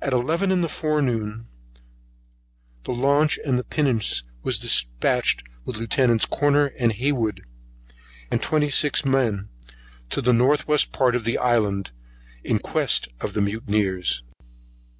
At eleven in the forenoon the Launch and Pinnance was dispatched with Lieutenants Corner and Hayward and twenty six men, to the north west part of the island, in quest of mutineers.